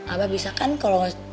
abah bisa kan kalau